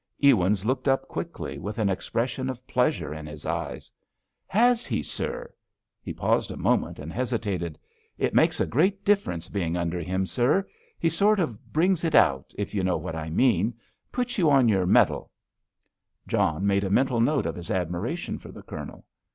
Ewins looked up quickly, with an expression of pleasure in his eyes. "Has he, sir?" He paused a moment and hesitated. "It makes a great difference being under him, sir; he sort of brings it out, if you know what I mean; puts you on your mettle." John made a mental note of his admiration for the Colonel.